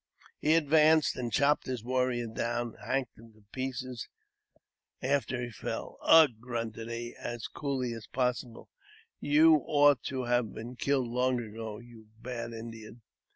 He advanced, and chopped his warrior down, and hacked him to pieces after he fell. ' "Ugh! " grunted he, as coolly as possible, " you ought to have been killed long ago, you bad Indian